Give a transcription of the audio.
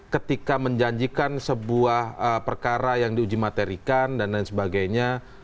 ketika menjanjikan sebuah perkara yang diuji materikan dan lain sebagainya